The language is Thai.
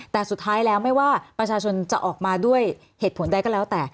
แต่สุดท้ายแล้วไม่ว่าประชาชนจะออกมาด้วยเหตุผลใดก็แล้วแต่